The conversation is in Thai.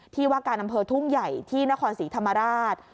ที่ว่าการอำเภอทุ่งใหญ่ที่นครศรีธรรมราช